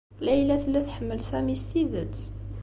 Layla tella tḥemmel Sami s tidet.